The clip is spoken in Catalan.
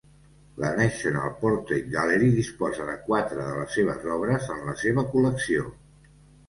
La National Portrait Gallery disposa de quatre de les seves obres en la seva col·lecció.